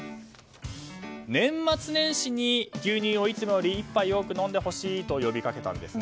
年末年始に牛乳を、いつもより１杯多く飲んでほしいと呼びかけたんですね。